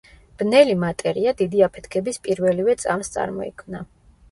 ბნელი მატერია დიდი აფეთქების პირველივე წამს წარმოიქმნა.